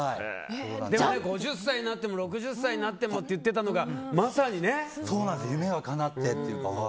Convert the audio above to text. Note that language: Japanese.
５０歳になっても６０歳になってもって言っていたのが夢がかなってというか。